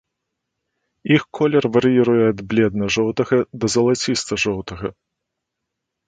Іх колер вар'іруе ад бледна-жоўтага да залаціста-жоўтага.